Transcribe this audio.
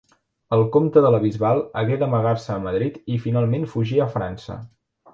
El comte de La Bisbal hagué d'amagar-se a Madrid i finalment fugir a França.